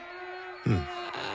うん。